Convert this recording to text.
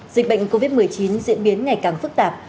dịch bệnh covid một mươi chín diễn biến ngày càng phức tạp